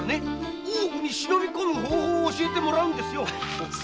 大奥に忍び込む方法教えてもらうんですよ。